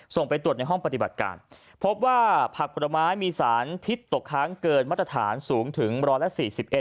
ไปตรวจในห้องปฏิบัติการพบว่าผักผลไม้มีสารพิษตกค้างเกินมาตรฐานสูงถึง๑๔๑